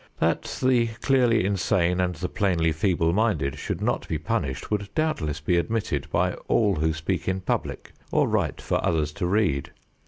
That the clearly insane and the plainly feeble minded should not be punished would doubtless be admitted by all who speak in public or write for others to read.